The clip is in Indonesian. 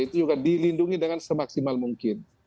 itu juga dilindungi dengan semaksimal mungkin